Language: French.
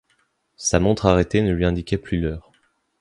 Sa montre arrêtée ne lui indiquait plus l’heure.